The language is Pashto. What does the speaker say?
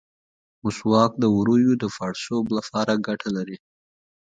مسواک د ووریو د پړسوب لپاره ګټه لري.